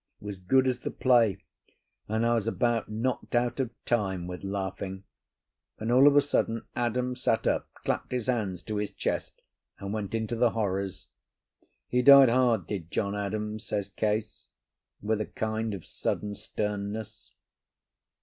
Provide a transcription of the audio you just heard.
It was good as the play, and I was about knocked out of time with laughing, when all of a sudden Adams sat up, clapped his hands to his chest, and went into the horrors. He died hard, did John Adams," says Case, with a kind of a sudden sternness.